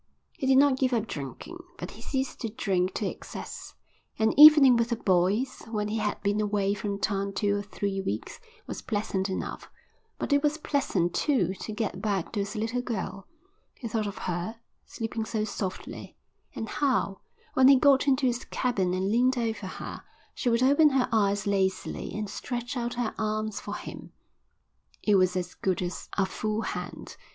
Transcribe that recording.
He did not give up drinking, but he ceased to drink to excess. An evening with the boys, when he had been away from town two or three weeks, was pleasant enough, but it was pleasant too to get back to his little girl; he thought of her, sleeping so softly, and how, when he got into his cabin and leaned over her, she would open her eyes lazily and stretch out her arms for him: it was as good as a full hand.